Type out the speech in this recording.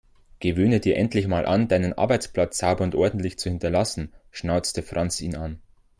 Gewöhne dir endlich mal an, deinen Arbeitsplatz sauber und ordentlich zu hinterlassen, schnauzte Franz ihn an.